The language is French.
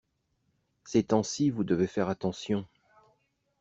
Ces temps-ci vous devez faire attention.